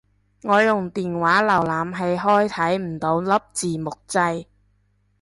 我用電話瀏覽器開睇唔到粒字幕掣